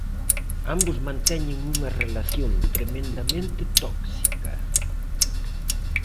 Ambos manteñen unha relación tremendamente tóxica.